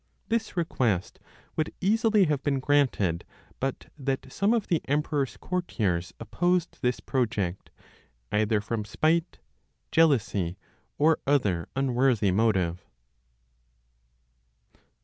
This request would easily have been granted but that some of the emperor's courtiers opposed this project, either from spite, jealousy, or other unworthy motive.